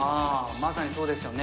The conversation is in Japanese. まさにそうですよね。